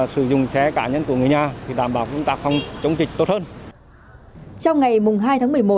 sử dụng xe cá nhân của người nhà để đảm bảo công tác phòng chống dịch tốt hơn trong ngày hai tháng một mươi một